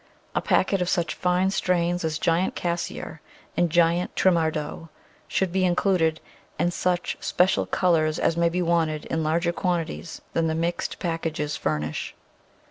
A packet of such fine strains as Giant Cassier and Giant Trimardeau should be included; and such special colours as may be wanted in larger quantities than the mixed packages furnish.